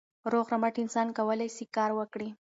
روغ رمټ انسان کولای سي کار وکړي.